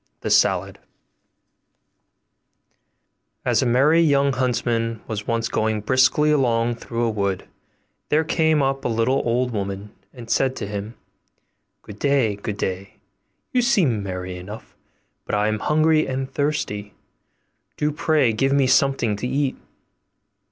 THE SALAD As a merry young huntsman was once going briskly along through a wood, there came up a little old woman, and said to him, 'Good day, good day; you seem merry enough, but I am hungry and thirsty; do pray give me something to eat.